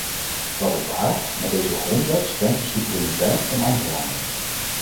Dat is waar, maar deze grondwet schendt de soevereiniteit van andere landen.